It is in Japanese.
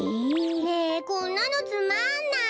ねえこんなのつまんない。